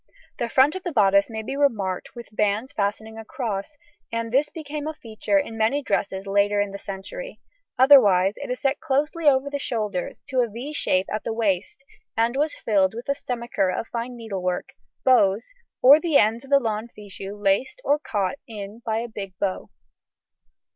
The front of the bodice may be remarked with bands fastening across, and this became a feature in many dresses later in this century, otherwise it set closely over the shoulders to a =V= shape at the waist, and was filled with a stomacher of fine needlework, bows, or the ends of the lawn fichu laced or caught in by a big bow.